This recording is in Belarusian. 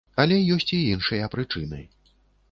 Але ёсць і іншыя прычыны.